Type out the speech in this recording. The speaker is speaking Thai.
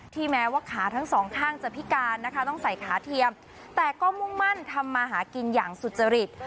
แม้ว่าขาทั้งสองข้างจะพิการนะคะต้องใส่ขาเทียมแต่ก็มุ่งมั่นทำมาหากินอย่างสุจริต